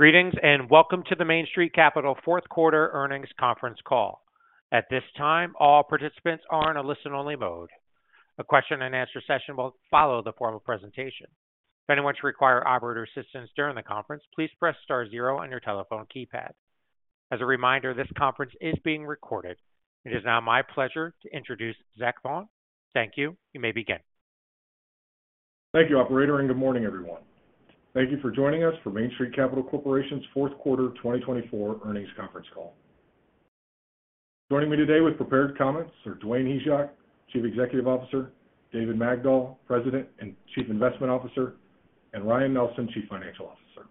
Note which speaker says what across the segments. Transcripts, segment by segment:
Speaker 1: Greetings and welcome to the Main Street Capital fourth quarter earnings conference call. At this time, all participants are in a listen-only mode. A question-and-answer session will follow the formal presentation. If anyone should require operator assistance during the conference, please press star zero on your telephone keypad. As a reminder, this conference is being recorded. It is now my pleasure to introduce Zach Vaughan. Thank you. You may begin.
Speaker 2: Thank you, Operator, and good morning, everyone. Thank you for joining us for Main Street Capital Corporation's fourth quarter 2024 earnings conference call. Joining me today with prepared comments are Dwayne Hyzak, Chief Executive Officer, David Magdol, President and Chief Investment Officer, and Ryan Nelson, Chief Financial Officer.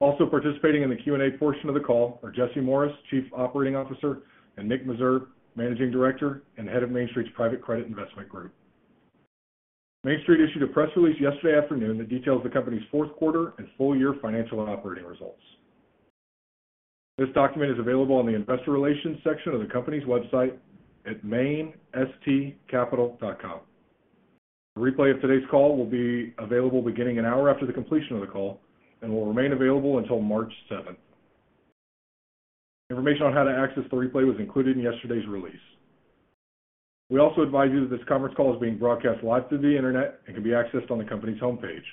Speaker 2: Also participating in the Q&A portion of the call are Jesse Morris, Chief Operating Officer, and Nick Meserve, Managing Director and Head of Main Street's Private Credit Investment Group. Main Street issued a press release yesterday afternoon that details the company's fourth quarter and full-year financial and operating results. This document is available on the investor relations section of the company's website at mainstcapital.com. The replay of today's call will be available beginning an hour after the completion of the call and will remain available until March 7th. Information on how to access the replay was included in yesterday's release. We also advise you that this conference call is being broadcast live through the internet and can be accessed on the company's homepage.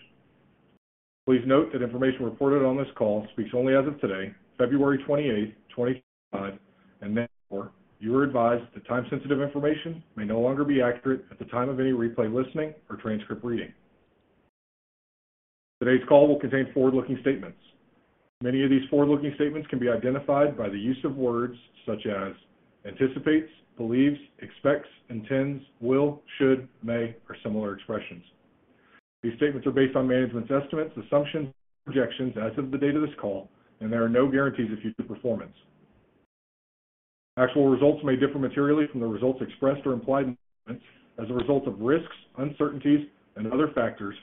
Speaker 2: Please note that information reported on this call speaks only as of today, February 28th, 2025, and therefore you are advised that time-sensitive information may no longer be accurate at the time of any replay listening or transcript reading. Today's call will contain forward-looking statements. Many of these forward-looking statements can be identified by the use of words such as anticipates, believes, expects, intends, will, should, may, or similar expressions. These statements are based on management's estimates, assumptions, and projections as of the date of this call, and there are no guarantees of future performance. Actual results may differ materially from the results expressed or implied in statements as a result of risks, uncertainties, and other factors,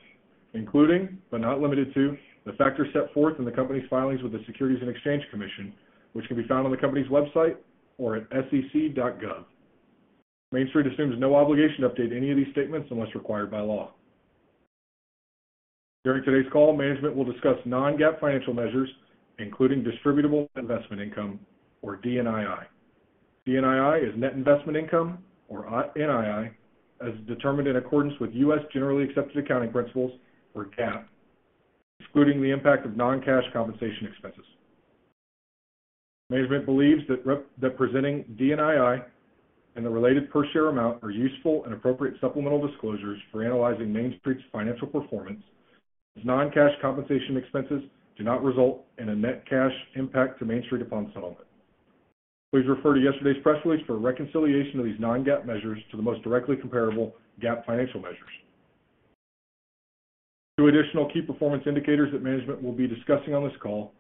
Speaker 2: including, but not limited to, the factors set forth in the company's filings with the Securities and Exchange Commission, which can be found on the company's website or at sec.gov. Main Street assumes no obligation to update any of these statements unless required by law. During today's call, management will discuss non-GAAP financial measures, including distributable investment income, or DNII. DNII is net investment income, or NII, as determined in accordance with U.S. Generally Accepted Accounting Principles, or GAAP, excluding the impact of non-cash compensation expenses. Management believes that presenting DNII and the related per-share amount are useful and appropriate supplemental disclosures for analyzing Main Street's financial performance as non-cash compensation expenses do not result in a net cash impact to Main Street upon settlement. Please refer to yesterday's press release for reconciliation of these non-GAAP measures to the most directly comparable GAAP financial measures. Two additional key performance indicators that management will be discussing on this call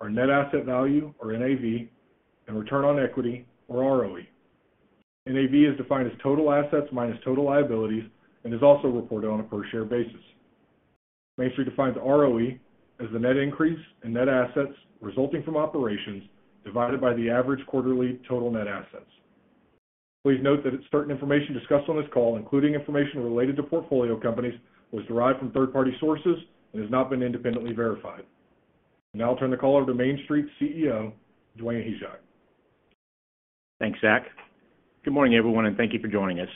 Speaker 2: are net asset value, or NAV, and return on equity, or ROE. NAV is defined as total assets minus total liabilities and is also reported on a per-share basis. Main Street defines ROE as the net increase in net assets resulting from operations divided by the average quarterly total net assets. Please note that certain information discussed on this call, including information related to portfolio companies, was derived from third-party sources and has not been independently verified. Now I'll turn the call over to Main Street CEO, Dwayne Hyzak.
Speaker 3: Thanks, Zach. Good morning, everyone, and thank you for joining us.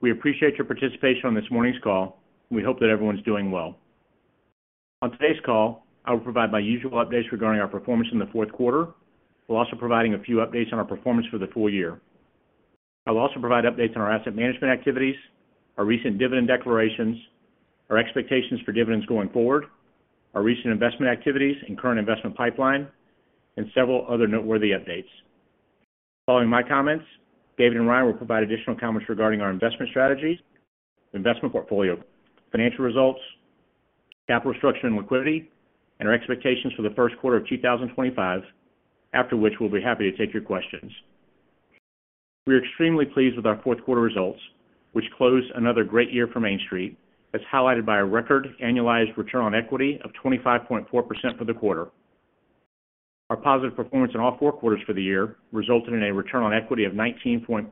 Speaker 3: We appreciate your participation on this morning's call, and we hope that everyone's doing well. On today's call, I will provide my usual updates regarding our performance in the fourth quarter. We'll also provide a few updates on our performance for the full year. I will also provide updates on our asset management activities, our recent dividend declarations, our expectations for dividends going forward, our recent investment activities and current investment pipeline, and several other noteworthy updates. Following my comments, David and Ryan will provide additional comments regarding our investment strategies, investment portfolio, financial results, capital structure, and liquidity, and our expectations for the first quarter of 2025, after which we'll be happy to take your questions. We are extremely pleased with our fourth quarter results, which close another great year for Main Street, as highlighted by a record annualized return on equity of 25.4% for the quarter. Our positive performance in all four quarters for the year resulted in a return on equity of 19.4%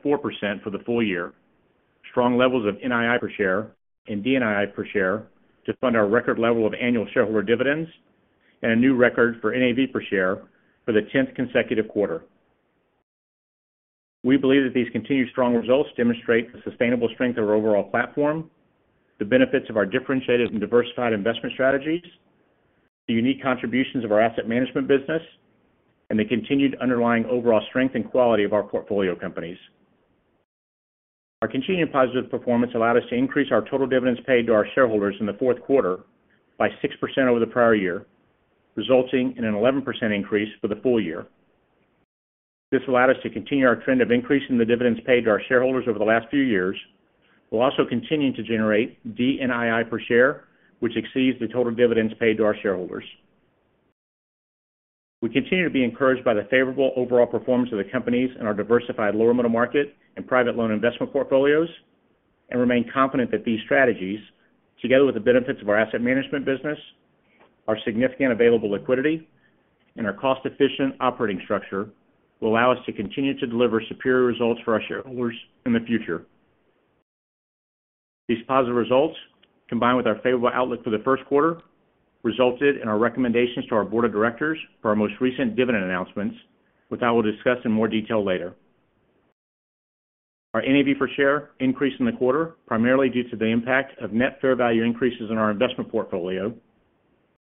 Speaker 3: for the full year, strong levels of NII per share and DNII per share to fund our record level of annual shareholder dividends, and a new record for NAV per share for the 10th consecutive quarter. We believe that these continued strong results demonstrate the sustainable strength of our overall platform, the benefits of our differentiated and diversified investment strategies, the unique contributions of our asset management business, and the continued underlying overall strength and quality of our portfolio companies. Our continued positive performance allowed us to increase our total dividends paid to our shareholders in the fourth quarter by 6% over the prior year, resulting in an 11% increase for the full year. This allowed us to continue our trend of increasing the dividends paid to our shareholders over the last few years. We'll also continue to generate DNII per share, which exceeds the total dividends paid to our shareholders. We continue to be encouraged by the favorable overall performance of the companies in our diversified lower-middle market and private loan investment portfolios and remain confident that these strategies, together with the benefits of our asset management business, our significant available liquidity, and our cost-efficient operating structure, will allow us to continue to deliver superior results for our shareholders in the future. These positive results, combined with our favorable outlook for the first quarter, resulted in our recommendations to our board of directors for our most recent dividend announcements, which I will discuss in more detail later. Our NAV per share increased in the quarter primarily due to the impact of net fair value increases in our investment portfolio,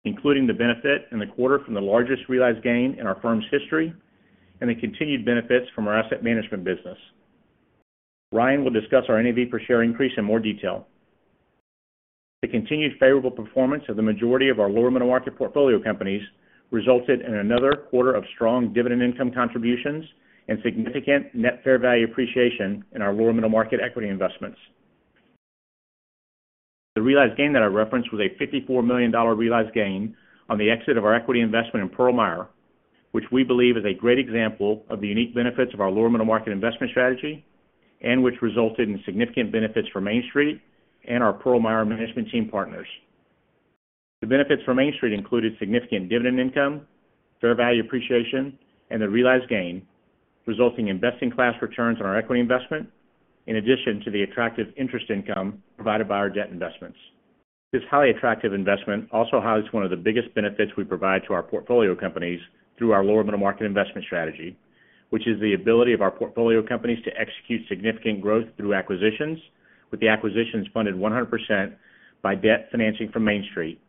Speaker 3: including the benefit in the quarter from the largest realized gain in our firm's history and the continued benefits from our asset management business. Ryan will discuss our NAV per share increase in more detail. The continued favorable performance of the majority of our lower-middle market portfolio companies resulted in another quarter of strong dividend income contributions and significant net fair value appreciation in our lower-middle market equity investments. The realized gain that I referenced was a $54 million realized gain on the exit of our equity investment in Pearl Meyer, which we believe is a great example of the unique benefits of our lower-middle market investment strategy and which resulted in significant benefits for Main Street and our Pearl Meyer management team partners. The benefits for Main Street included significant dividend income, fair value appreciation, and the realized gain, resulting in best-in-class returns on our equity investment, in addition to the attractive interest income provided by our debt investments. This highly attractive investment also highlights one of the biggest benefits we provide to our portfolio companies through our lower-middle market investment strategy, which is the ability of our portfolio companies to execute significant growth through acquisitions, with the acquisitions funded 100% by debt financing from Main Street,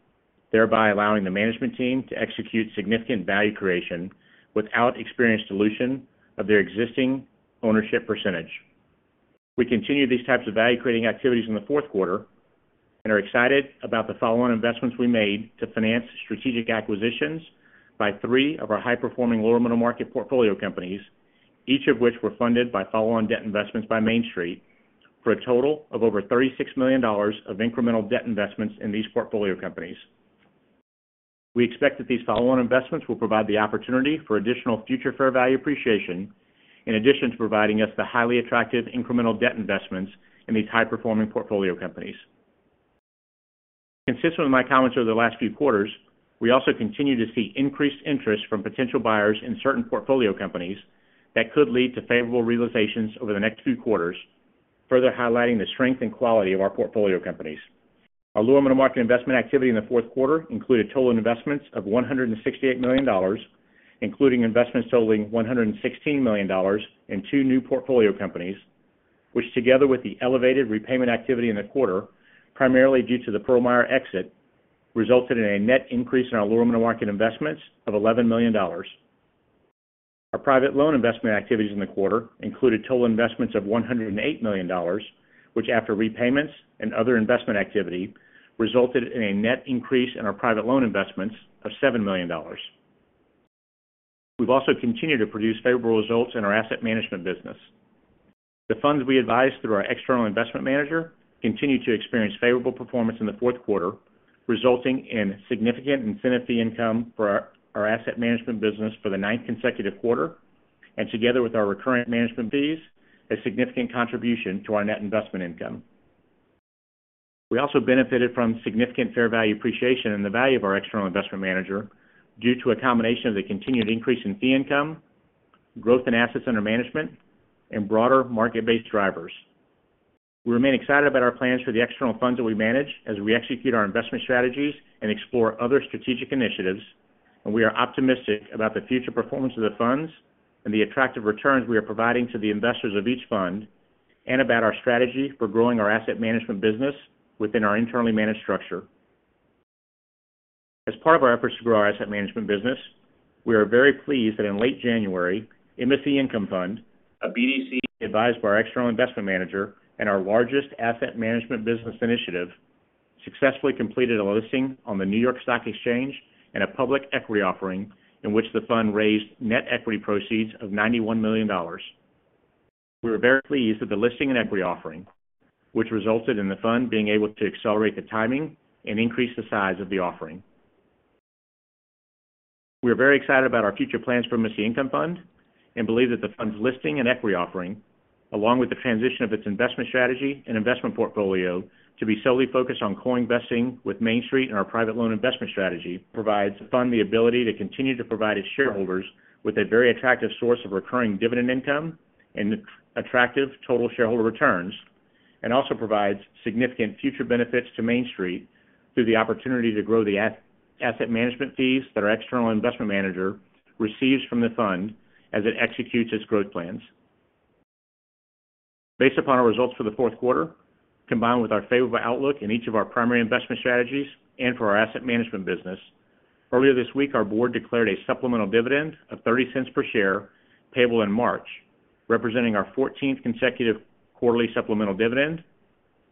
Speaker 3: thereby allowing the management team to execute significant value creation without experienced dilution of their existing ownership percentage. We continue these types of value-creating activities in the fourth quarter and are excited about the follow-on investments we made to finance strategic acquisitions by three of our high-performing lower-middle market portfolio companies, each of which were funded by follow-on debt investments by Main Street for a total of over $36 million of incremental debt investments in these portfolio companies. We expect that these follow-on investments will provide the opportunity for additional future fair value appreciation, in addition to providing us the highly attractive incremental debt investments in these high-performing portfolio companies. Consistent with my comments over the last few quarters, we also continue to see increased interest from potential buyers in certain portfolio companies that could lead to favorable realizations over the next few quarters, further highlighting the strength and quality of our portfolio companies. Our lower-middle market investment activity in the fourth quarter included total investments of $168 million, including investments totaling $116 million in two new portfolio companies, which, together with the elevated repayment activity in the quarter, primarily due to the Pearl Meyer exit, resulted in a net increase in our lower-middle market investments of $11 million. Our private loan investment activities in the quarter included total investments of $108 million, which, after repayments and other investment activity, resulted in a net increase in our private loan investments of $7 million. We've also continued to produce favorable results in our asset management business. The funds we advised through our external investment manager continue to experience favorable performance in the fourth quarter, resulting in significant incentive fee income for our asset management business for the ninth consecutive quarter, and together with our recurrent management fees, a significant contribution to our net investment income. We also benefited from significant fair value appreciation in the value of our external investment manager due to a combination of the continued increase in fee income, growth in assets under management, and broader market-based drivers. We remain excited about our plans for the external funds that we manage as we execute our investment strategies and explore other strategic initiatives, and we are optimistic about the future performance of the funds and the attractive returns we are providing to the investors of each fund, and about our strategy for growing our asset management business within our internally managed structure. As part of our efforts to grow our asset management business, we are very pleased that in late January, MSC Income Fund, a BDC advised by our external investment manager and our largest asset management business initiative, successfully completed a listing on the New York Stock Exchange and a public equity offering in which the fund raised net equity proceeds of $91 million. We are very pleased with the listing and equity offering, which resulted in the fund being able to accelerate the timing and increase the size of the offering. We are very excited about our future plans for MSC Income Fund and believe that the fund's listing and equity offering, along with the transition of its investment strategy and investment portfolio to be solely focused on co-investing with Main Street and our private loan investment strategy, provides the fund the ability to continue to provide its shareholders with a very attractive source of recurring dividend income and attractive total shareholder returns, and also provides significant future benefits to Main Street through the opportunity to grow the asset management fees that our external investment manager receives from the fund as it executes its growth plans. Based upon our results for the fourth quarter, combined with our favorable outlook in each of our primary investment strategies and for our asset management business, earlier this week, our board declared a supplemental dividend of $0.30 per share payable in March, representing our 14th consecutive quarterly supplemental dividend,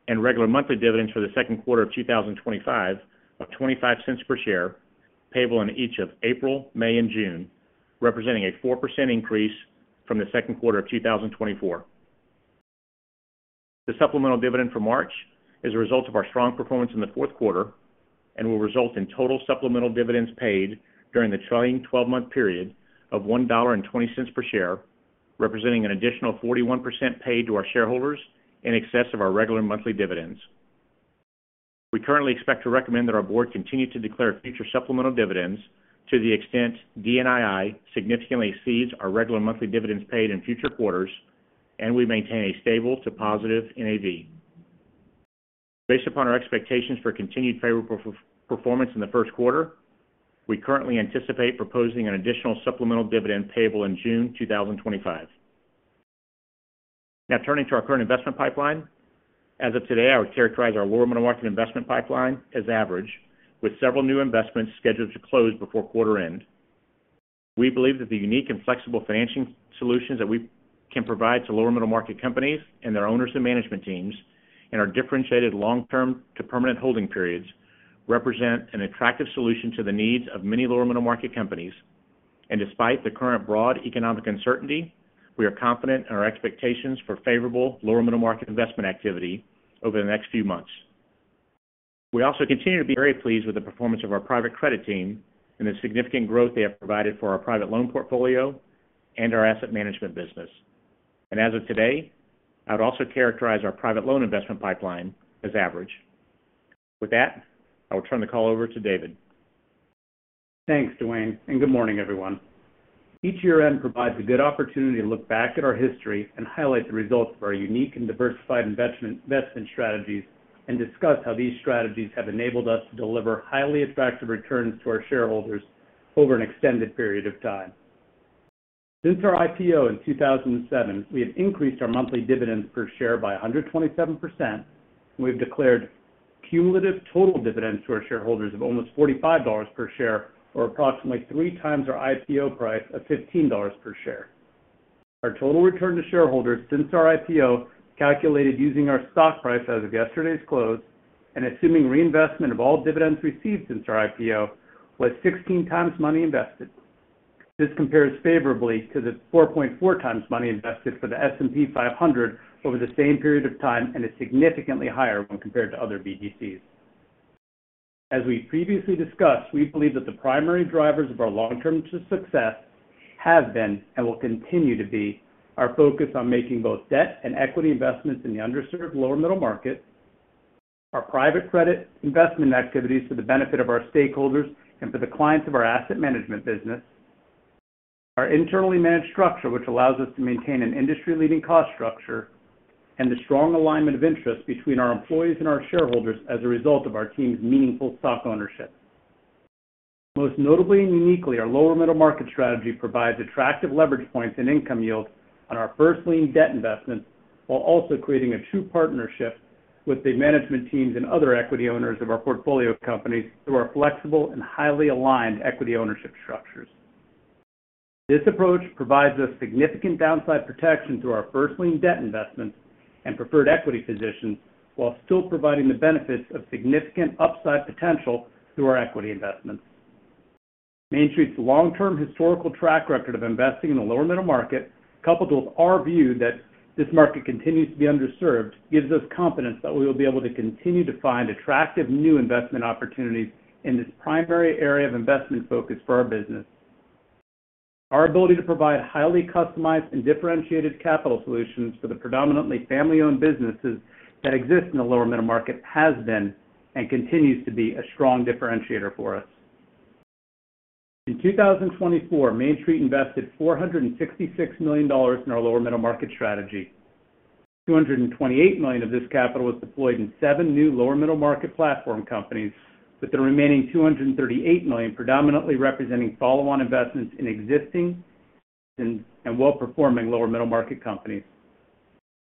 Speaker 3: and regular monthly dividends for the second quarter of 2025 of $0.25 per share payable in each of April, May, and June, representing a 4% increase from the second quarter of 2024. The supplemental dividend for March is a result of our strong performance in the fourth quarter and will result in total supplemental dividends paid during the trailing 12-month period of $1.20 per share, representing an additional 41% paid to our shareholders in excess of our regular monthly dividends. We currently expect to recommend that our board continue to declare future supplemental dividends to the extent DNII significantly exceeds our regular monthly dividends paid in future quarters, and we maintain a stable to positive NAV. Based upon our expectations for continued favorable performance in the first quarter, we currently anticipate proposing an additional supplemental dividend payable in June 2025. Now, turning to our current investment pipeline, as of today, I would characterize our lower-middle market investment pipeline as average, with several new investments scheduled to close before quarter end. We believe that the unique and flexible financing solutions that we can provide to lower-middle market companies and their owners and management teams, and our differentiated long-term to permanent holding periods, represent an attractive solution to the needs of many lower-middle market companies. Despite the current broad economic uncertainty, we are confident in our expectations for favorable lower-middle market investment activity over the next few months. We also continue to be very pleased with the performance of our private credit team and the significant growth they have provided for our private loan portfolio and our asset management business. As of today, I would also characterize our private loan investment pipeline as average. With that, I will turn the call over to David.
Speaker 4: Thanks, Dwayne, and good morning, everyone. Each year-end provides a good opportunity to look back at our history and highlight the results of our unique and diversified investment strategies and discuss how these strategies have enabled us to deliver highly attractive returns to our shareholders over an extended period of time. Since our IPO in 2007, we have increased our monthly dividends per share by 127%, and we have declared cumulative total dividends to our shareholders of almost $45 per share, or approximately three times our IPO price of $15 per share. Our total return to shareholders since our IPO, calculated using our stock price as of yesterday's close and assuming reinvestment of all dividends received since our IPO, was 16 times money invested. This compares favorably to the 4.4 times money invested for the S&P 500 over the same period of time and is significantly higher when compared to other BDCs. As we previously discussed, we believe that the primary drivers of our long-term success have been and will continue to be our focus on making both debt and equity investments in the underserved lower-middle market, our private credit investment activities for the benefit of our stakeholders and for the clients of our asset management business, our internally managed structure, which allows us to maintain an industry-leading cost structure, and the strong alignment of interest between our employees and our shareholders as a result of our team's meaningful stock ownership. Most notably and uniquely, our lower-middle market strategy provides attractive leverage points and income yields on our first lien debt investments, while also creating a true partnership with the management teams and other equity owners of our portfolio companies through our flexible and highly aligned equity ownership structures. This approach provides us significant downside protection through our first lien debt investments and preferred equity positions, while still providing the benefits of significant upside potential through our equity investments. Main Street's long-term historical track record of investing in the lower-middle market, coupled with our view that this market continues to be underserved, gives us confidence that we will be able to continue to find attractive new investment opportunities in this primary area of investment focus for our business. Our ability to provide highly customized and differentiated capital solutions for the predominantly family-owned businesses that exist in the lower-middle market has been and continues to be a strong differentiator for us. In 2024, Main Street invested $466 million in our lower-middle market strategy. $228 million of this capital was deployed in seven new lower-middle market platform companies, with the remaining $238 million predominantly representing follow-on investments in existing and well-performing lower-middle market companies.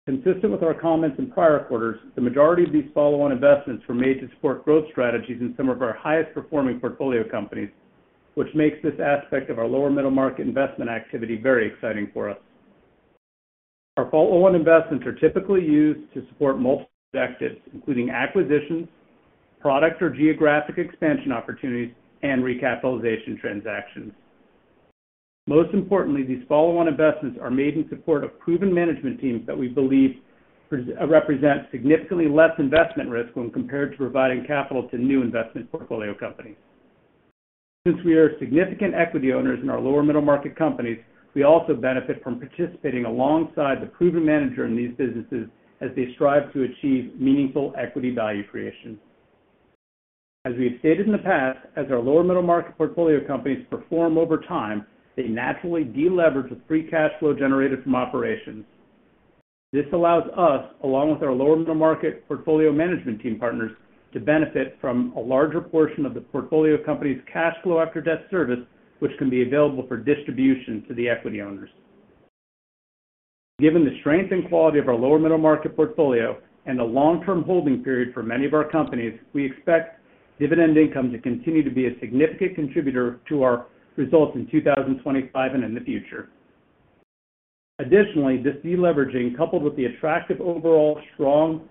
Speaker 4: Consistent with our comments in prior quarters, the majority of these follow-on investments were made to support growth strategies in some of our highest-performing portfolio companies, which makes this aspect of our lower-middle market investment activity very exciting for us. Our follow-on investments are typically used to support multiple objectives, including acquisitions, product or geographic expansion opportunities, and recapitalization transactions. Most importantly, these follow-on investments are made in support of proven management teams that we believe represent significantly less investment risk when compared to providing capital to new investment portfolio companies. Since we are significant equity owners in our lower-middle market companies, we also benefit from participating alongside the proven manager in these businesses as they strive to achieve meaningful equity value creation. As we have stated in the past, as our lower-middle market portfolio companies perform over time, they naturally deleverage the free cash flow generated from operations. This allows us, along with our lower-middle market portfolio management team partners, to benefit from a larger portion of the portfolio company's cash flow after-debt service, which can be available for distribution to the equity owners. Given the strength and quality of our lower-middle market portfolio and the long-term holding period for many of our companies, we expect dividend income to continue to be a significant contributor to our results in 2025 and in the future. Additionally, this deleveraging, coupled with the attractive overall strong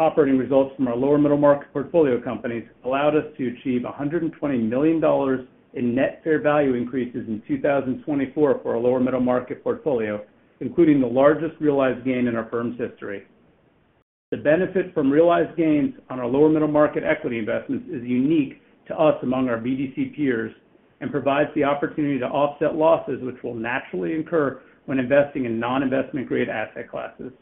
Speaker 4: operating results from our lower-middle market portfolio companies, allowed us to achieve $120 million in net fair value increases in 2024 for our lower-middle market portfolio, including the largest realized gain in our firm's history. The benefit from realized gains on our lower-middle market equity investments is unique to us among our BDC peers and provides the opportunity to offset losses, which will naturally incur when investing in non-investment grade asset classes.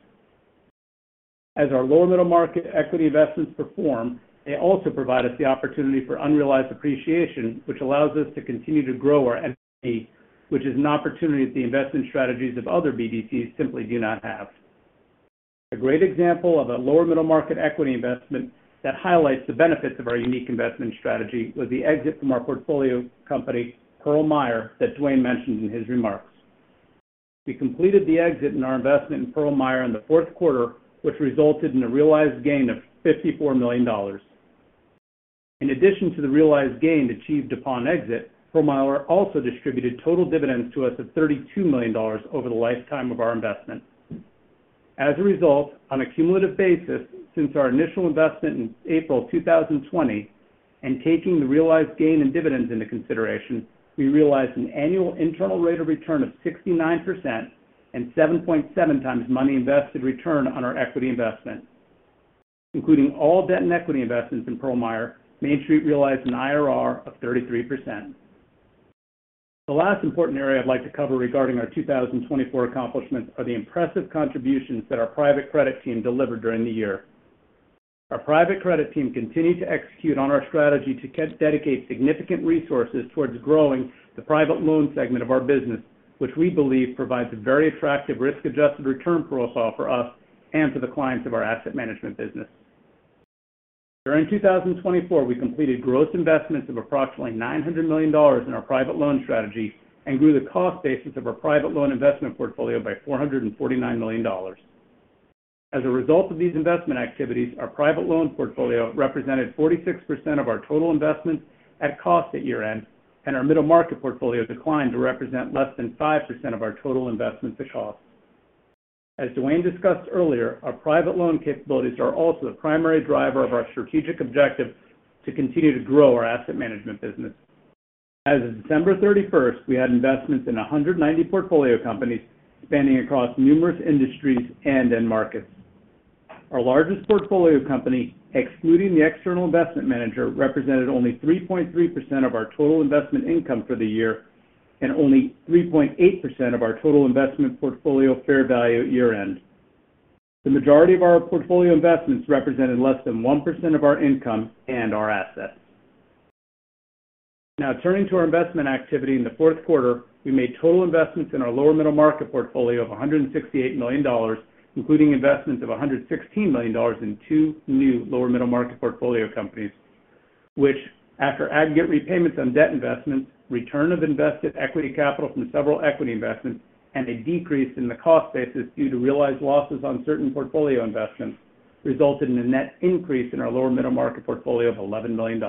Speaker 4: As our lower-middle market equity investments perform, they also provide us the opportunity for unrealized appreciation, which allows us to continue to grow our equity, which is an opportunity that the investment strategies of other BDCs simply do not have. A great example of a lower-middle market equity investment that highlights the benefits of our unique investment strategy was the exit from our portfolio company, Pearl Meyer, that Dwayne mentioned in his remarks. We completed the exit in our investment in Pearl Meyer in the fourth quarter, which resulted in a realized gain of $54 million. In addition to the realized gain achieved upon exit, Pearl Meyer also distributed total dividends to us of $32 million over the lifetime of our investment. As a result, on a cumulative basis, since our initial investment in April 2020 and taking the realized gain in dividends into consideration, we realized an annual internal rate of return of 69% and 7.7 times money invested return on our equity investment. Including all debt and equity investments in Pearl Meyer, Main Street realized an IRR of 33%. The last important area I'd like to cover regarding our 2024 accomplishments are the impressive contributions that our private credit team delivered during the year. Our private credit team continued to execute on our strategy to dedicate significant resources towards growing the private loan segment of our business, which we believe provides a very attractive risk-adjusted return profile for us and for the clients of our asset management business. During 2024, we completed gross investments of approximately $900 million in our private loan strategy and grew the cost basis of our private loan investment portfolio by $449 million. As a result of these investment activities, our private loan portfolio represented 46% of our total investments at cost at year-end, and our middle market portfolio declined to represent less than 5% of our total investments at cost. As Dwayne discussed earlier, our private loan capabilities are also the primary driver of our strategic objective to continue to grow our asset management business. As of December 31st, we had investments in 190 portfolio companies spanning across numerous industries and markets. Our largest portfolio company, excluding the external investment manager, represented only 3.3% of our total investment income for the year and only 3.8% of our total investment portfolio fair value at year-end. The majority of our portfolio investments represented less than 1% of our income and our assets. Now, turning to our investment activity in the fourth quarter, we made total investments in our lower-middle market portfolio of $168 million, including investments of $116 million in two new lower-middle market portfolio companies, which, after aggregate repayments on debt investments, return of invested equity capital from several equity investments, and a decrease in the cost basis due to realized losses on certain portfolio investments, resulted in a net increase in our lower-middle market portfolio of $11 million.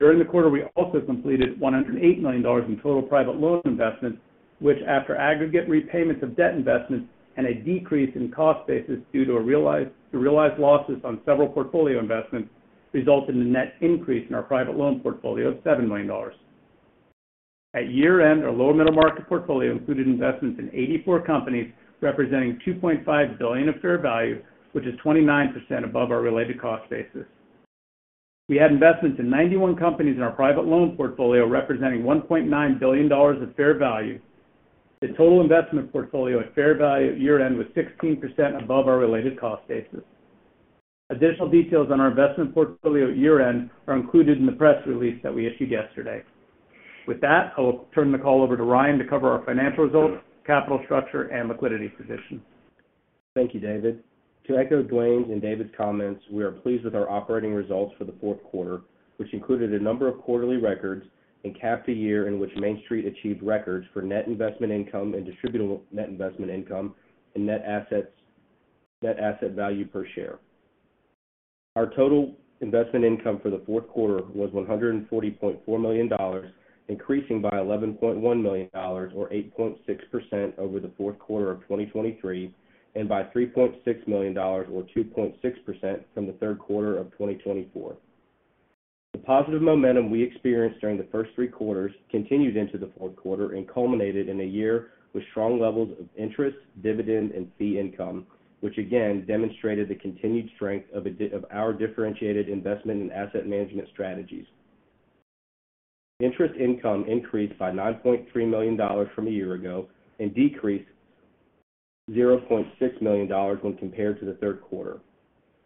Speaker 4: During the quarter, we also completed $108 million in total private loan investments, which, after aggregate repayments of debt investments and a decrease in cost basis due to realized losses on several portfolio investments, resulted in a net increase in our private loan portfolio of $7 million. At year-end, our lower-middle market portfolio included investments in 84 companies representing $2.5 billion of fair value, which is 29% above our related cost basis. We had investments in 91 companies in our private loan portfolio representing $1.9 billion of fair value. The total investment portfolio at fair value at year-end was 16% above our related cost basis. Additional details on our investment portfolio at year-end are included in the press release that we issued yesterday. With that, I will turn the call over to Ryan to cover our financial results, capital structure, and liquidity position.
Speaker 5: Thank you, David. To echo Dwayne's and David's comments, we are pleased with our operating results for the fourth quarter, which included a number of quarterly records and capped a year in which Main Street achieved records for net investment income and distributable net investment income and net asset value per share. Our total investment income for the fourth quarter was $140.4 million, increasing by $11.1 million, or 8.6%, over the fourth quarter of 2023, and by $3.6 million, or 2.6%, from the third quarter of 2024. The positive momentum we experienced during the first three quarters continued into the fourth quarter and culminated in a year with strong levels of interest, dividend, and fee income, which again demonstrated the continued strength of our differentiated investment and asset management strategies. Interest income increased by $9.3 million from a year ago and decreased $0.6 million when compared to the third quarter.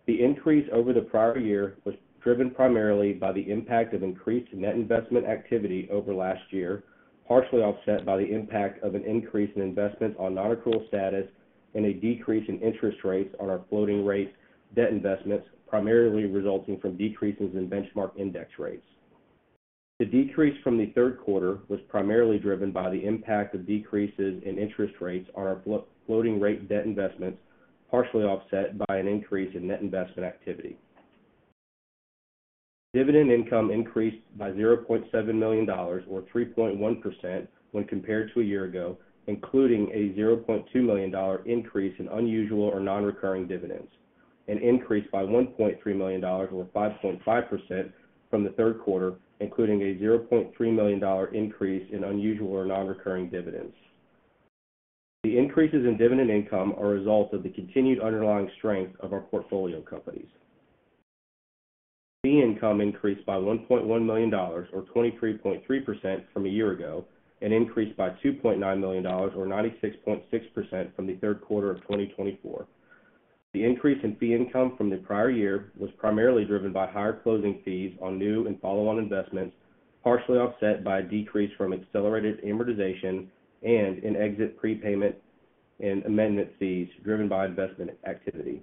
Speaker 5: The increase over the prior year was driven primarily by the impact of increased net investment activity over last year, partially offset by the impact of an increase in investments on non-accrual status and a decrease in interest rates on our floating rate debt investments, primarily resulting from decreases in benchmark index rates. The decrease from the third quarter was primarily driven by the impact of decreases in interest rates on our floating rate debt investments, partially offset by an increase in net investment activity. Dividend income increased by $0.7 million, or 3.1%, when compared to a year ago, including a $0.2 million increase in unusual or non-recurring dividends, and increased by $1.3 million, or 5.5%, from the third quarter, including a $0.3 million increase in unusual or non-recurring dividends. The increases in dividend income are a result of the continued underlying strength of our portfolio companies. Fee income increased by $1.1 million, or 23.3%, from a year ago, and increased by $2.9 million, or 96.6%, from the third quarter of 2024. The increase in fee income from the prior year was primarily driven by higher closing fees on new and follow-on investments, partially offset by a decrease from accelerated amortization and in exit prepayment and amendment fees driven by investment activity.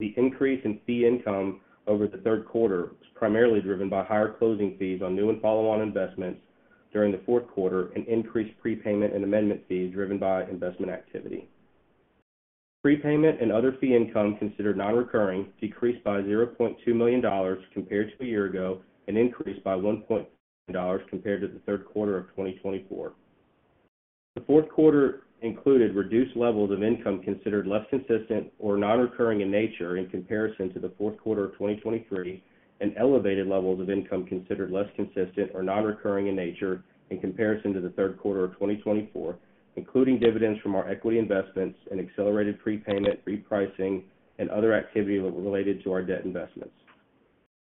Speaker 5: The increase in fee income over the third quarter was primarily driven by higher closing fees on new and follow-on investments during the fourth quarter and increased prepayment and amendment fees driven by investment activity. Prepayment and other fee income considered non-recurring decreased by $0.2 million compared to a year ago and increased by $1.3 million compared to the third quarter of 2024. The fourth quarter included reduced levels of income considered less consistent or non-recurring in nature in comparison to the fourth quarter of 2023, and elevated levels of income considered less consistent or non-recurring in nature in comparison to the third quarter of 2024, including dividends from our equity investments and accelerated prepayment, repricing, and other activity related to our debt investments.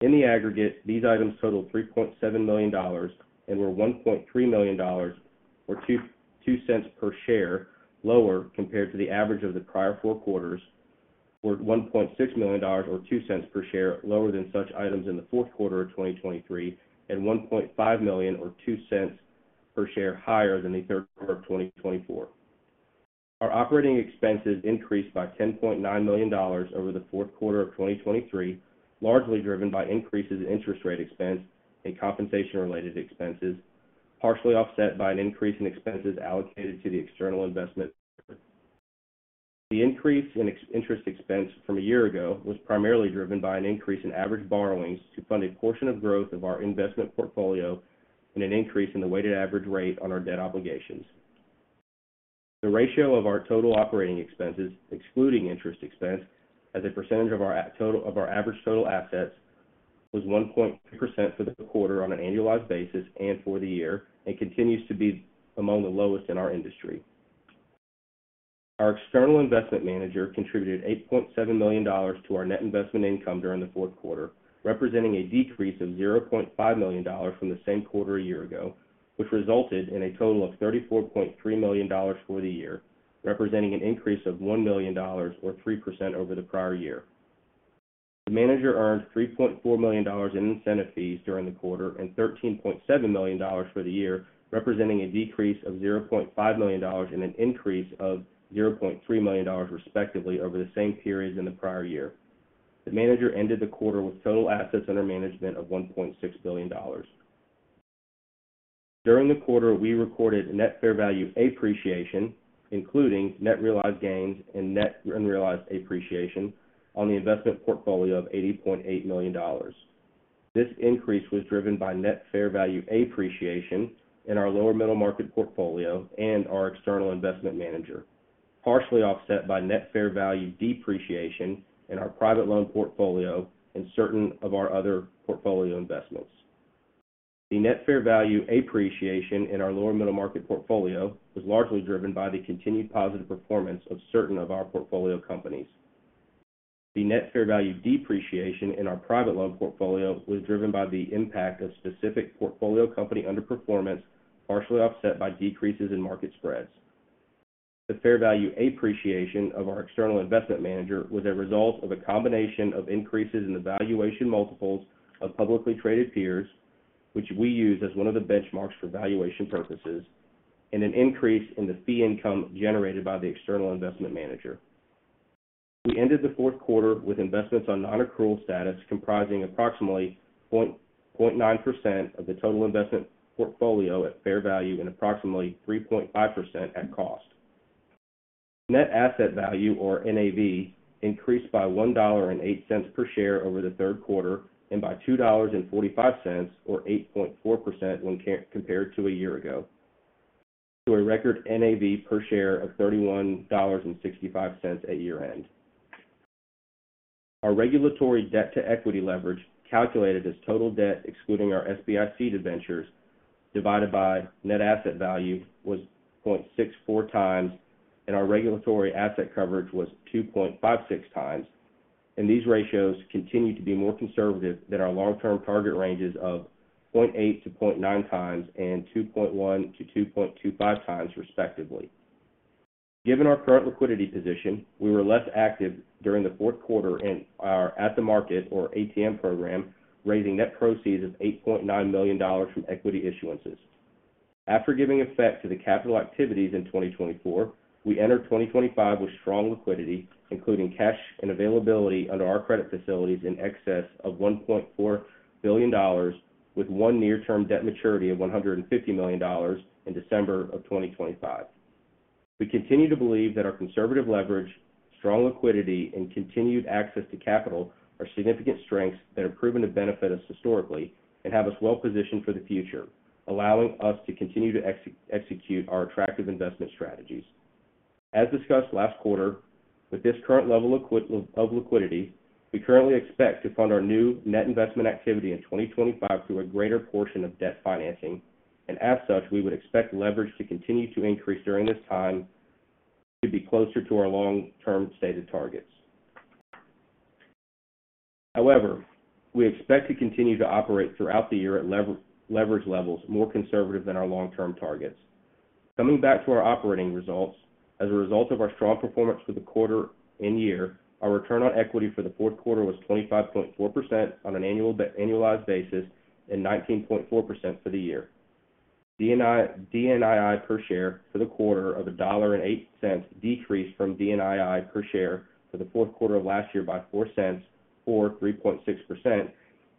Speaker 5: In the aggregate, these items totaled $3.7 million and were $1.3 million, or 2 cents per share, lower compared to the average of the prior four quarters, or $1.6 million, or 2 cents per share, lower than such items in the fourth quarter of 2023, and $1.5 million, or 2 cents per share, higher than the third quarter of 2024. Our operating expenses increased by $10.9 million over the fourth quarter of 2023, largely driven by increases in interest rate expense and compensation-related expenses, partially offset by an increase in expenses allocated to the external investment. The increase in interest expense from a year ago was primarily driven by an increase in average borrowings to fund a portion of growth of our investment portfolio and an increase in the weighted average rate on our debt obligations. The ratio of our total operating expenses, excluding interest expense, as a percentage of our average total assets was 1.2% for the quarter on an annualized basis and for the year and continues to be among the lowest in our industry. Our external investment manager contributed $8.7 million to our net investment income during the fourth quarter, representing a decrease of $0.5 million from the same quarter a year ago, which resulted in a total of $34.3 million for the year, representing an increase of $1 million, or 3%, over the prior year. The manager earned $3.4 million in incentive fees during the quarter and $13.7 million for the year, representing a decrease of $0.5 million and an increase of $0.3 million, respectively, over the same periods in the prior year. The manager ended the quarter with total assets under management of $1.6 billion. During the quarter, we recorded net fair value appreciation, including net realized gains and net unrealized appreciation, on the investment portfolio of $80.8 million. This increase was driven by net fair value appreciation in our lower-middle market portfolio and our external investment manager, partially offset by net fair value depreciation in our private loan portfolio and certain of our other portfolio investments. The net fair value appreciation in our lower-middle market portfolio was largely driven by the continued positive performance of certain of our portfolio companies. The net fair value depreciation in our private loan portfolio was driven by the impact of specific portfolio company underperformance, partially offset by decreases in market spreads. The fair value appreciation of our external investment manager was a result of a combination of increases in the valuation multiples of publicly traded peers, which we use as one of the benchmarks for valuation purposes, and an increase in the fee income generated by the external investment manager. We ended the fourth quarter with investments on non-accrual status comprising approximately 0.9% of the total investment portfolio at fair value and approximately 3.5% at cost. Net asset value, or NAV, increased by $1.08 per share over the third quarter and by $2.45, or 8.4%, when compared to a year ago, to a record NAV per share of $31.65 at year-end. Our regulatory debt-to-equity leverage, calculated as total debt excluding our SBICed ventures, divided by net asset value, was 0.64 times, and our regulatory asset coverage was 2.56 times, and these ratios continue to be more conservative than our long-term target ranges of 0.8 to 0.9 times and 2.1 to 2.25 times, respectively. Given our current liquidity position, we were less active during the fourth quarter and are at the market, or ATM program, raising net proceeds of $8.9 million from equity issuances. After giving effect to the capital activities in 2024, we entered 2025 with strong liquidity, including cash and availability under our credit facilities in excess of $1.4 billion, with one near-term debt maturity of $150 million in December of 2025. We continue to believe that our conservative leverage, strong liquidity, and continued access to capital are significant strengths that have proven to benefit us historically and have us well-positioned for the future, allowing us to continue to execute our attractive investment strategies. As discussed last quarter, with this current level of liquidity, we currently expect to fund our new net investment activity in 2025 through a greater portion of debt financing, and as such, we would expect leverage to continue to increase during this time to be closer to our long-term stated targets. However, we expect to continue to operate throughout the year at leverage levels more conservative than our long-term targets. Coming back to our operating results, as a result of our strong performance for the quarter and year, our return on equity for the fourth quarter was 25.4% on an annualized basis and 19.4% for the year. DNII per share for the quarter of $1.08 decreased from DNII per share for the fourth quarter of last year by $0.04, or 3.6%,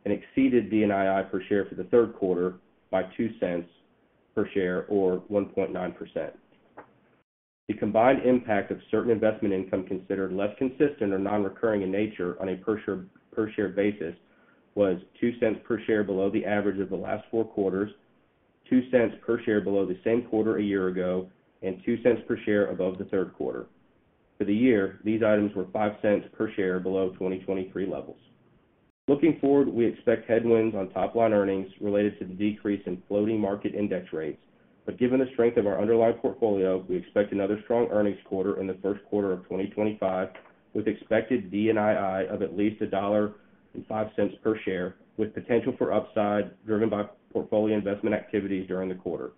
Speaker 5: and exceeded DNII per share for the third quarter by $0.02 per share, or 1.9%. The combined impact of certain investment income considered less consistent or non-recurring in nature on a per share basis was $0.02 per share below the average of the last four quarters, $0.02 per share below the same quarter a year ago, and $0.02 per share above the third quarter. For the year, these items were $0.05 per share below 2023 levels. Looking forward, we expect headwinds on top-line earnings related to the decrease in floating market index rates. But given the strength of our underlying portfolio, we expect another strong earnings quarter in the first quarter of 2025, with expected DNII of at least $1.05 per share, with potential for upside driven by portfolio investment activities during the quarter.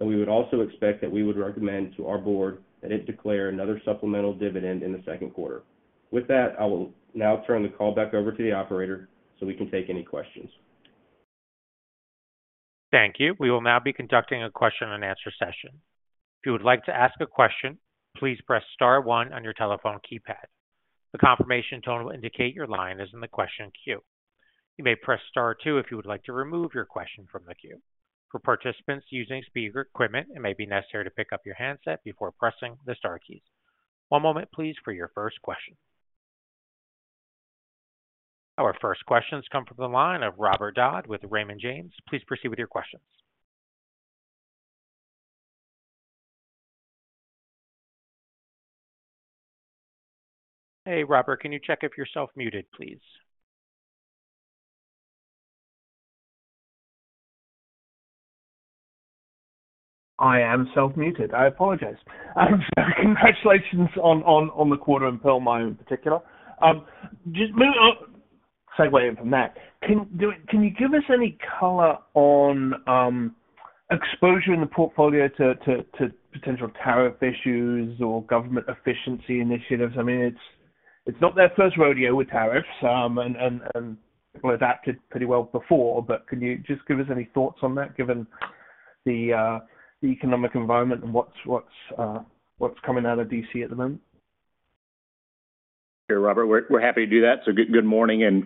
Speaker 5: And we would also expect that we would recommend to our board that it declare another supplemental dividend in the second quarter. With that, I will now turn the call back over to the operator so we can take any questions.
Speaker 1: Thank you. We will now be conducting a question-and-answer session. If you would like to ask a question, please press Star 1 on your telephone keypad. The confirmation tone will indicate your line is in the question queue. You may press Star 2 if you would like to remove your question from the queue. For participants using speaker equipment, it may be necessary to pick up your handset before pressing the Star keys. One moment, please, for your first question. Our first questions come from the line of Robert Dodd with Raymond James. Please proceed with your questions. Hey, Robert, can you check if you're self-muted, please?
Speaker 6: I am self-muted. I apologize. Congratulations on the quarter and Pearl Meyer in particular. Segueing from that, can you give us any color on exposure in the portfolio to potential tariff issues or government efficiency initiatives? I mean, it's not their first rodeo with tariffs, and people adapted pretty well before. But can you just give us any thoughts on that, given the economic environment and what's coming out of D.C. at the moment?
Speaker 4: Sure, Robert. We're happy to do that. So good morning, and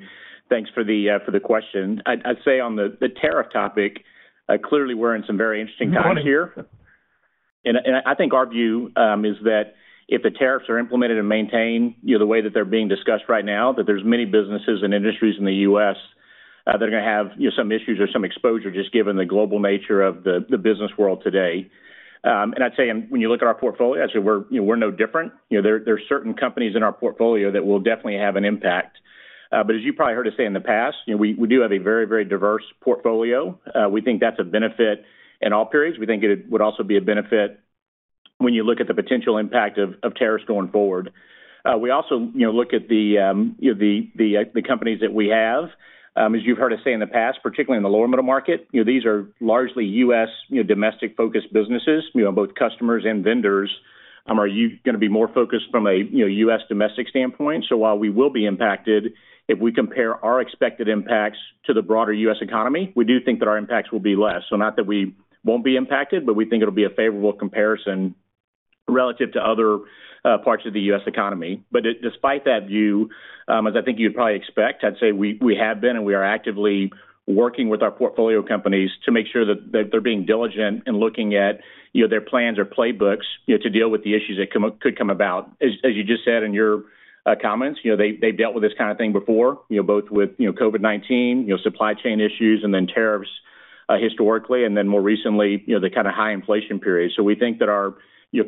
Speaker 4: thanks for the question. I'd say on the tariff topic, clearly we're in some very interesting times here. And I think our view is that if the tariffs are implemented and maintained the way that they're being discussed right now, that there's many businesses and industries in the U.S. that are going to have some issues or some exposure, just given the global nature of the business world today. And I'd say when you look at our portfolio, actually, we're no different. There are certain companies in our portfolio that will definitely have an impact. But as you've probably heard us say in the past, we do have a very, very diverse portfolio. We think that's a benefit in all periods. We think it would also be a benefit when you look at the potential impact of tariffs going forward. We also look at the companies that we have. As you've heard us say in the past, particularly in the lower-middle market, these are largely U.S. domestic-focused businesses. Both customers and vendors are going to be more focused from a U.S. domestic standpoint. So while we will be impacted, if we compare our expected impacts to the broader U.S. economy, we do think that our impacts will be less. So not that we won't be impacted, but we think it'll be a favorable comparison relative to other parts of the U.S. economy. Despite that view, as I think you'd probably expect, I'd say we have been and we are actively working with our portfolio companies to make sure that they're being diligent in looking at their plans or playbooks to deal with the issues that could come about. As you just said in your comments, they've dealt with this kind of thing before, both with COVID-19, supply chain issues, and then tariffs historically, and then more recently, the kind of high inflation period. We think that our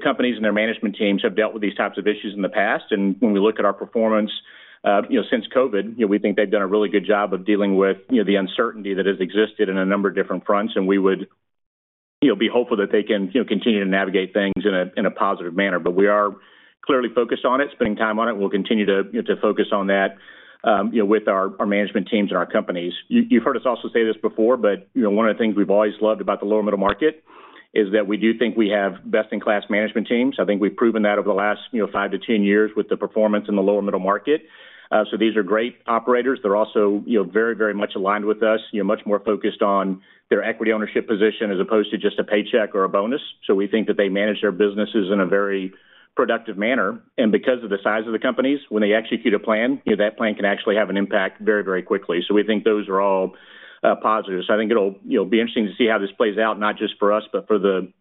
Speaker 4: companies and their management teams have dealt with these types of issues in the past. When we look at our performance since COVID, we think they've done a really good job of dealing with the uncertainty that has existed in a number of different fronts. We would be hopeful that they can continue to navigate things in a positive manner. We are clearly focused on it, spending time on it. We'll continue to focus on that with our management teams and our companies. You've heard us also say this before, but one of the things we've always loved about the lower-middle market is that we do think we have best-in-class management teams. I think we've proven that over the last 5 to 10 years with the performance in the lower-middle market. So these are great operators. They're also very, very much aligned with us, much more focused on their equity ownership position as opposed to just a paycheck or a bonus. So we think that they manage their businesses in a very productive manner. And because of the size of the companies, when they execute a plan, that plan can actually have an impact very, very quickly. So we think those are all positives. So I think it'll be interesting to see how this plays out, not just for us, but for the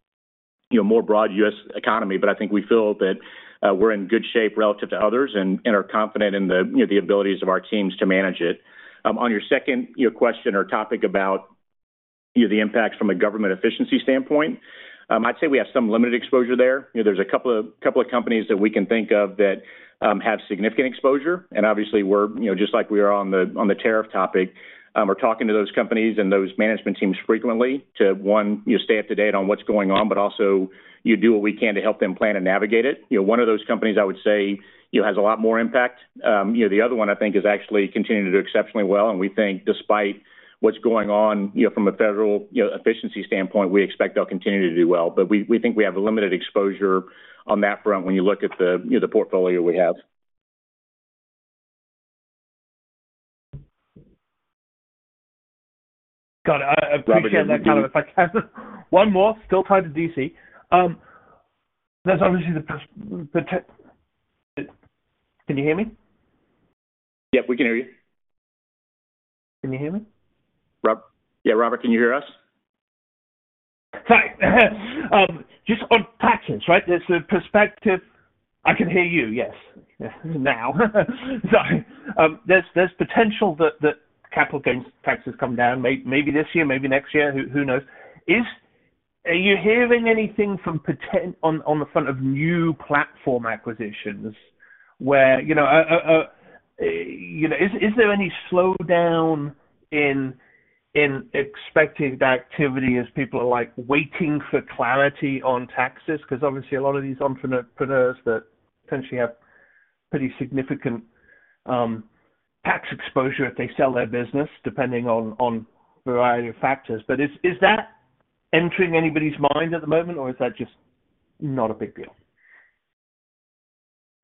Speaker 4: more broad U.S. economy. But I think we feel that we're in good shape relative to others and are confident in the abilities of our teams to manage it. On your second question or topic about the impacts from a government efficiency standpoint, I'd say we have some limited exposure there. There's a couple of companies that we can think of that have significant exposure. And obviously, just like we are on the tariff topic, we're talking to those companies and those management teams frequently to, one, stay up to date on what's going on, but also do what we can to help them plan and navigate it. One of those companies, I would say, has a lot more impact. The other one, I think, is actually continuing to do exceptionally well, and we think, despite what's going on from a federal efficiency standpoint, we expect they'll continue to do well, but we think we have limited exposure on that front when you look at the portfolio we have.
Speaker 6: Got it. I appreciate that, Calum, if I can. One more, still tied to D.C. There's obviously the. Can you hear me?
Speaker 4: Yep, we can hear you.
Speaker 6: Can you hear me?
Speaker 4: Robert? Yeah, Robert, can you hear us?
Speaker 6: Just on taxes, right? There's potential that capital gains taxes come down, maybe this year, maybe next year. Who knows? Are you hearing anything on the front of new platform acquisitions where is there any slowdown in expected activity as people are waiting for clarity on taxes? Because obviously, a lot of these entrepreneurs that potentially have pretty significant tax exposure if they sell their business, depending on a variety of factors. But is that entering anybody's mind at the moment, or is that just not a big deal?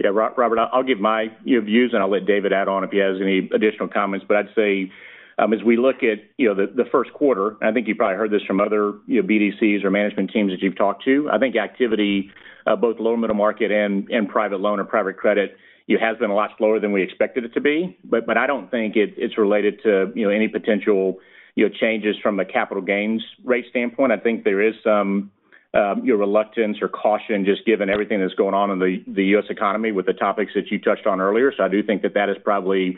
Speaker 3: Yeah, Robert, I'll give my views, and I'll let David add on if he has any additional comments. But I'd say, as we look at the first quarter, and I think you've probably heard this from other BDCs or management teams that you've talked to, I think activity, both lower-middle market and private loan or private credit, has been a lot slower than we expected it to be. But I don't think it's related to any potential changes from a capital gains rate standpoint. I think there is some reluctance or caution, just given everything that's going on in the U.S. economy with the topics that you touched on earlier. So I do think that that has probably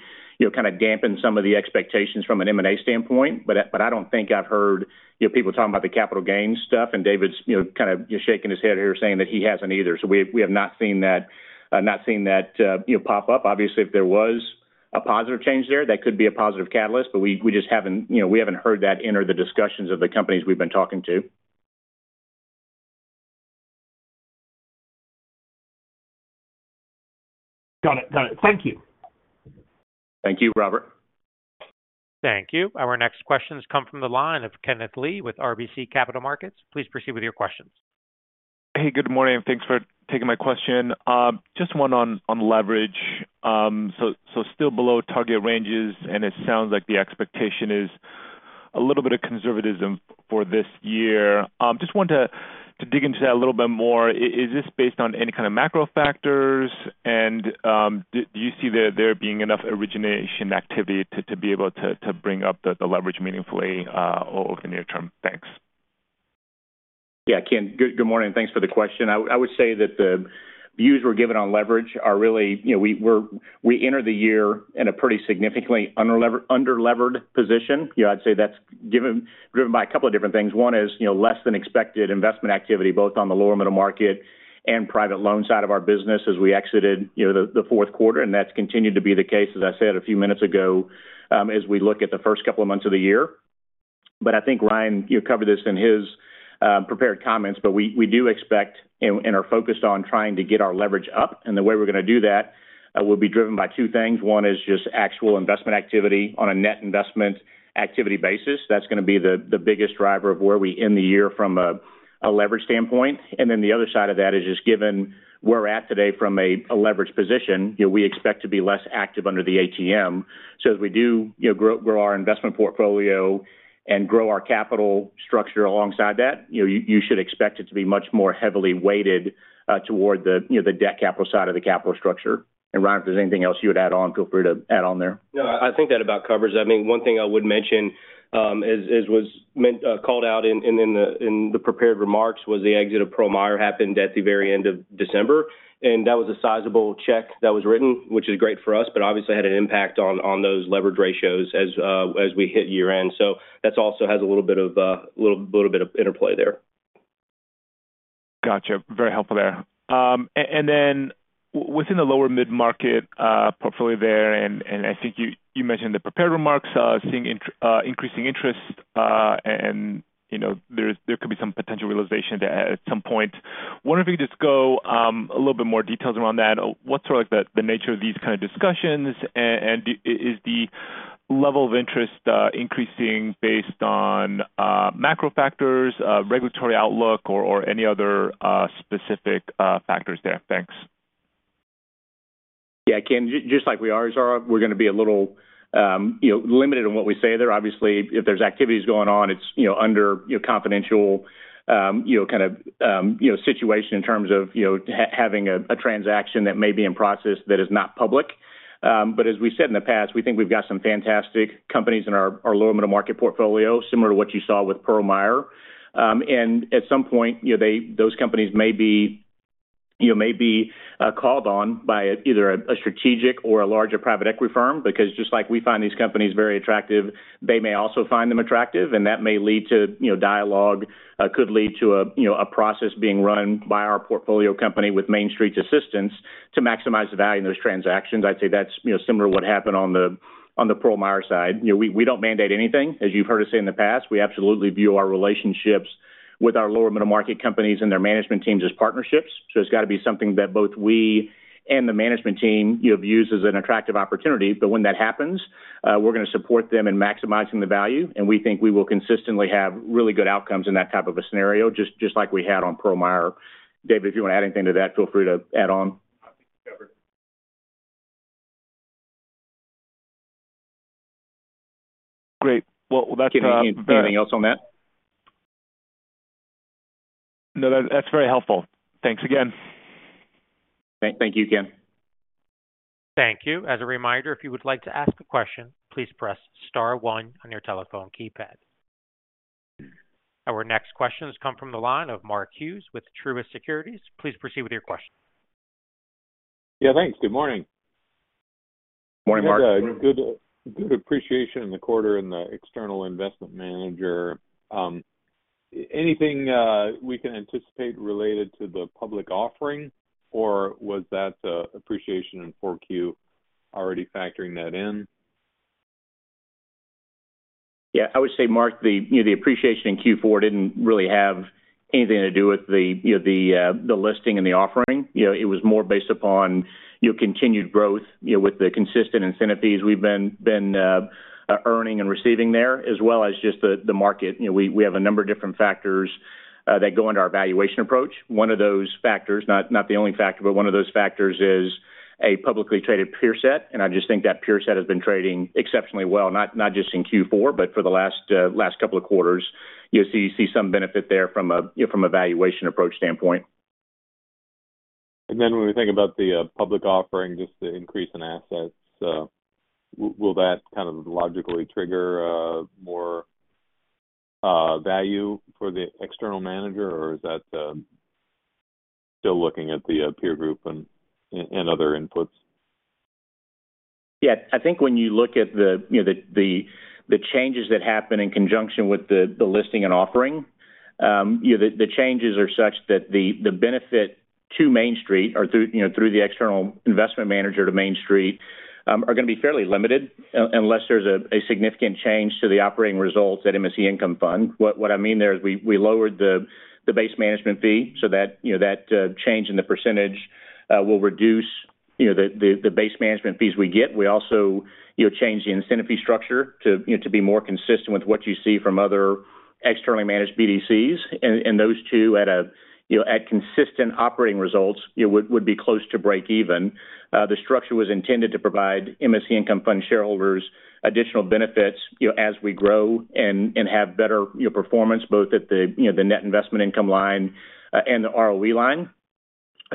Speaker 3: kind of dampened some of the expectations from an M&A standpoint. But I don't think I've heard people talking about the capital gains stuff, and David's kind of shaking his head here, saying that he hasn't either. So we have not seen that pop up. Obviously, if there was a positive change there, that could be a positive catalyst, but we just haven't heard that enter the discussions of the companies we've been talking to.
Speaker 6: Got it. Got it. Thank you.
Speaker 4: Thank you, Robert.
Speaker 1: Thank you. Our next questions come from the line of Kenneth Lee with RBC Capital Markets. Please proceed with your questions.
Speaker 7: Hey, good morning. Thanks for taking my question. Just one on leverage. So still below target ranges, and it sounds like the expectation is a little bit of conservatism for this year. Just wanted to dig into that a little bit more. Is this based on any kind of macro factors, and do you see there being enough origination activity to be able to bring up the leverage meaningfully over the near term? Thanks.
Speaker 4: Yeah, Ken, good morning. Thanks for the question. I would say that the views we're given on leverage are really, we enter the year in a pretty significantly under-levered position. I'd say that's driven by a couple of different things. One is less than expected investment activity, both on the lower-middle market and private loan side of our business as we exited the fourth quarter, and that's continued to be the case, as I said a few minutes ago, as we look at the first couple of months of the year, but I think Ryan covered this in his prepared comments, but we do expect and are focused on trying to get our leverage up, and the way we're going to do that will be driven by two things. One is just actual investment activity on a net investment activity basis. That's going to be the biggest driver of where we end the year from a leverage standpoint. And then the other side of that is, just given where we're at today from a leverage position, we expect to be less active under the ATM. So as we do grow our investment portfolio and grow our capital structure alongside that, you should expect it to be much more heavily weighted toward the debt capital side of the capital structure. And Ryan, if there's anything else you would add on, feel free to add on there.
Speaker 5: No, I think that about covers it. I mean, one thing I would mention was called out in the prepared remarks was the exit of Pearl Meyer happened at the very end of December. And that was a sizable check that was written, which is great for us, but obviously had an impact on those leverage ratios as we hit year-end. So that also has a little bit of interplay there.
Speaker 7: Gotcha. Very helpful there, and then within the lower-mid market portfolio there, and I think you mentioned the prepared remarks, seeing increasing interest, and there could be some potential realization there at some point. Wondering if you could just go a little bit more details around that. What's the nature of these kind of discussions, and is the level of interest increasing based on macro factors, regulatory outlook, or any other specific factors there? Thanks.
Speaker 3: Yeah, Ken, just like we are, Zara, we're going to be a little limited in what we say there. Obviously, if there's activities going on, it's under confidential kind of situation in terms of having a transaction that may be in process that is not public. But as we said in the past, we think we've got some fantastic companies in our lower-middle market portfolio, similar to what you saw with Pearl Meyer. And at some point, those companies may be called on by either a strategic or a larger private equity firm. Because just like we find these companies very attractive, they may also find them attractive. And that may lead to dialogue. It could lead to a process being run by our portfolio company with Main Street's assistance to maximize the value in those transactions. I'd say that's similar to what happened on the Pearl Meyer side. We don't mandate anything, as you've heard us say in the past. We absolutely view our relationships with our lower-middle market companies and their management teams as partnerships. So it's got to be something that both we and the management team view as an attractive opportunity. But when that happens, we're going to support them in maximizing the value. And we think we will consistently have really good outcomes in that type of a scenario, just like we had on Pearl Meyer. David, if you want to add anything to that, feel free to add on.
Speaker 7: Great. Well, that's it.
Speaker 4: If you need anything else on that.
Speaker 7: No, that's very helpful. Thanks again.
Speaker 4: Thank you, Ken.
Speaker 1: Thank you. As a reminder, if you would like to ask a question, please press star one on your telephone keypad. Our next questions come from the line of Mark Hughes with Truist Securities. Please proceed with your question.
Speaker 8: Yeah, thanks. Good morning.
Speaker 4: Morning, Mark.
Speaker 8: Good appreciation in the quarter and the external investment manager. Anything we can anticipate related to the public offering, or was that appreciation in Q4 already factoring that in?
Speaker 4: Yeah, I would say, Mark, the appreciation in Q4 didn't really have anything to do with the listing and the offering. It was more based upon continued growth with the consistent incentive fees we've been earning and receiving there, as well as just the market. We have a number of different factors that go into our valuation approach. One of those factors, not the only factor, but one of those factors is a publicly traded peer set. And I just think that peer set has been trading exceptionally well, not just in Q4, but for the last couple of quarters. You see some benefit there from a valuation approach standpoint.
Speaker 8: And then when we think about the public offering, just the increase in assets, will that kind of logically trigger more value for the external manager, or is that still looking at the peer group and other inputs?
Speaker 4: Yeah, I think when you look at the changes that happen in conjunction with the listing and offering, the changes are such that the benefit to Main Street or through the external investment manager to Main Street are going to be fairly limited unless there's a significant change to the operating results at MSC Income Fund. What I mean there is we lowered the base management fee so that change in the percentage will reduce the base management fees we get. We also changed the incentive fee structure to be more consistent with what you see from other externally managed BDCs, and those two, at consistent operating results, would be close to break-even. The structure was intended to provide MSC Income Fund shareholders additional benefits as we grow and have better performance, both at the net investment income line and the ROE line.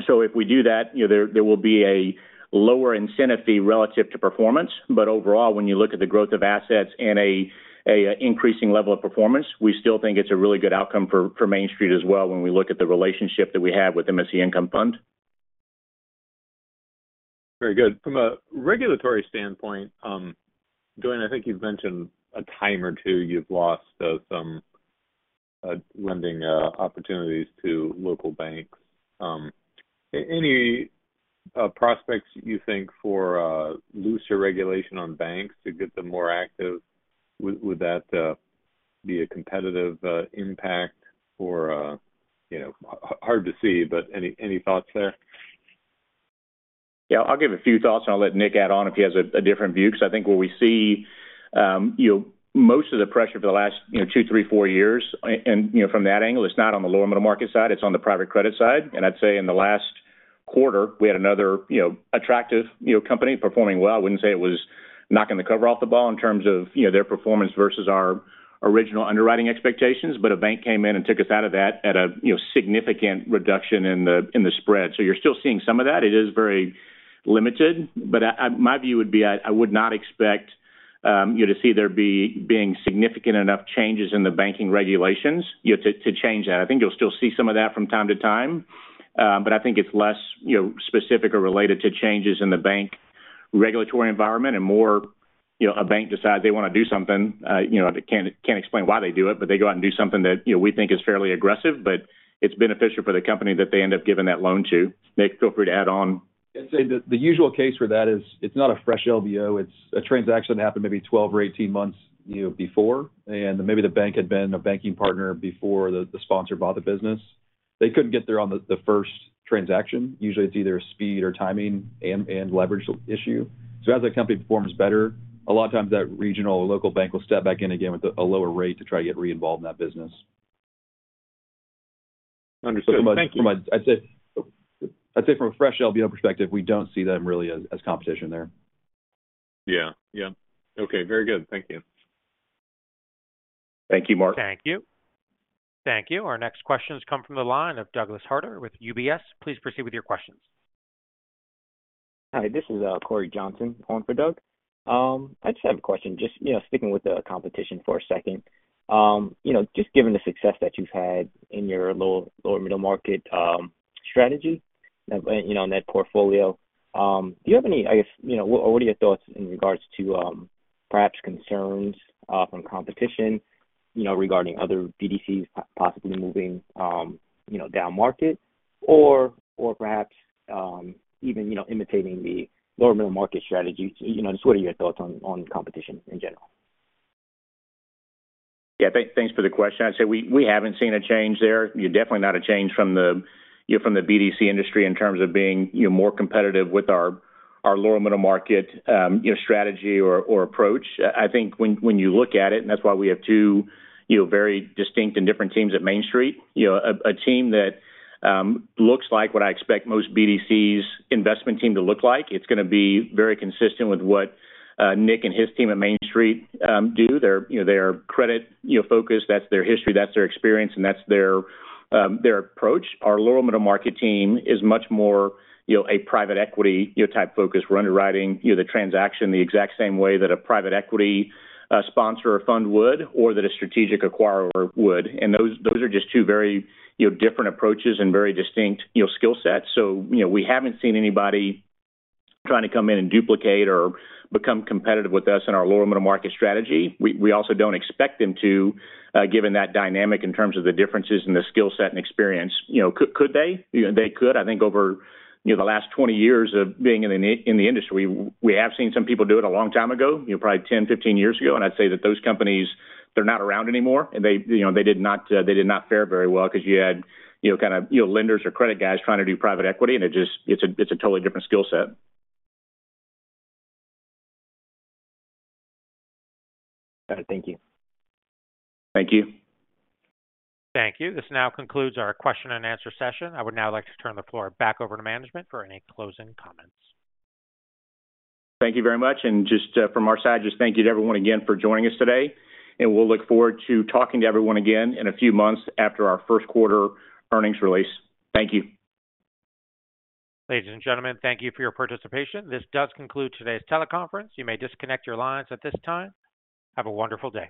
Speaker 4: So if we do that, there will be a lower incentive fee relative to performance. But overall, when you look at the growth of assets and an increasing level of performance, we still think it's a really good outcome for Main Street as well when we look at the relationship that we have with MSC Income Fund.
Speaker 8: Very good. From a regulatory standpoint, Dwayne, I think you've mentioned a time or two you've lost some lending opportunities to local banks. Any prospects, you think, for looser regulation on banks to get them more active? Would that be a competitive impact or hard to see? But any thoughts there?
Speaker 3: Yeah, I'll give a few thoughts, and I'll let Nick add on if he has a different view. Because I think what we see, most of the pressure for the last two, three, four years, and from that angle, it's not on the lower-middle market side. It's on the private credit side. And I'd say in the last quarter, we had another attractive company performing well. I wouldn't say it was knocking the cover off the ball in terms of their performance versus our original underwriting expectations. But a bank came in and took us out of that at a significant reduction in the spread. So you're still seeing some of that. It is very limited. But my view would be I would not expect to see there being significant enough changes in the banking regulations to change that. I think you'll still see some of that from time to time. But I think it's less specific or related to changes in the bank regulatory environment and more a bank decides they want to do something. I can't explain why they do it, but they go out and do something that we think is fairly aggressive, but it's beneficial for the company that they end up giving that loan to. Nick, feel free to add on.
Speaker 9: Yeah, I'd say the usual case for that is it's not a fresh LBO. It's a transaction that happened maybe 12 or 18 months before, and maybe the bank had been a banking partner before the sponsor bought the business. They couldn't get there on the first transaction. Usually, it's either a speed or timing and leverage issue. So as a company performs better, a lot of times that regional or local bank will step back in again with a lower rate to try to get re-involved in that business.
Speaker 8: Understood. Thank you.
Speaker 9: I'd say from a fresh LBO perspective, we don't see them really as competition there.
Speaker 8: Yeah. Yeah. Okay. Very good. Thank you.
Speaker 4: Thank you, Mark.
Speaker 1: Thank you. Thank you. Our next questions come from the line of Douglas Harter with UBS. Please proceed with your questions.
Speaker 10: Hi, this is Corey Johnson calling for Doug. I just have a question. Just sticking with the competition for a second, just given the success that you've had in your lower-middle market strategy and that portfolio, do you have any, I guess, or what are your thoughts in regards to perhaps concerns from competition regarding other BDCs possibly moving down market or perhaps even imitating the lower-middle market strategy? Just what are your thoughts on competition in general?
Speaker 4: Yeah, thanks for the question. I'd say we haven't seen a change there. Definitely not a change from the BDC industry in terms of being more competitive with our lower-middle market strategy or approach. I think when you look at it, and that's why we have two very distinct and different teams at Main Street, a team that looks like what I expect most BDCs investment team to look like, it's going to be very consistent with what Nick and his team at Main Street do. They're credit-focused. That's their history. That's their experience, and that's their approach. Our lower-middle market team is much more a private equity type focus. We're underwriting the transaction the exact same way that a private equity sponsor or fund would or that a strategic acquirer would, and those are just two very different approaches and very distinct skill sets. So we haven't seen anybody trying to come in and duplicate or become competitive with us in our lower-middle market strategy. We also don't expect them to, given that dynamic in terms of the differences in the skill set and experience. Could they? They could. I think over the last 20 years of being in the industry, we have seen some people do it a long time ago, probably 10, 15 years ago. And I'd say that those companies, they're not around anymore. And they did not fare very well because you had kind of lenders or credit guys trying to do private equity, and it's a totally different skill set.
Speaker 10: Got it. Thank you.
Speaker 4: Thank you.
Speaker 1: Thank you. This now concludes our question and answer session. I would now like to turn the floor back over to management for any closing comments.
Speaker 4: Thank you very much. And just from our side, just thank you to everyone again for joining us today. And we'll look forward to talking to everyone again in a few months after our first quarter earnings release. Thank you.
Speaker 1: Ladies and gentlemen, thank you for your participation. This does conclude today's teleconference. You may disconnect your lines at this time. Have a wonderful day.